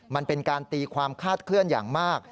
มันเป็นการตีความคาดเคลื่อนอย่างมาก